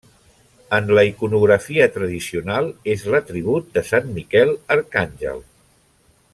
En la iconografia tradicional, és l'atribut de Sant Miquel Arcàngel.